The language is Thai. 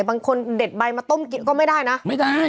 บางคนเด็ดใบมาต้มกินก็ไม่ได้นะไม่ได้